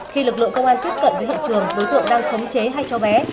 khi lực lượng công an tiếp cận với hiện trường đối tượng đang khống chế hai cháu bé